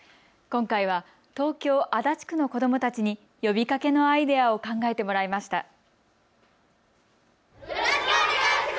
今回は東京足立区の子どもたちに呼びかけのアイデアを考えてもらいました。